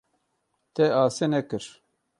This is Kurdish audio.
Te asê nekir.